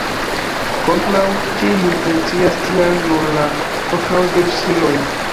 Kontraŭ tiuj funkcias tial nur la kontraŭ-virusiloj.